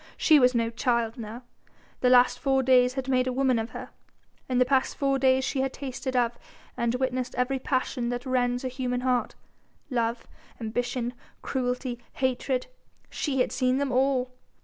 She was no child now! The last four days had made a woman of her: in the past four days she had tasted of and witnessed every passion that rends a human heart, love, ambition, cruelty, hatred! She had seen them all!